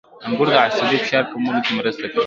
• انګور د عصبي فشار کمولو کې مرسته کوي.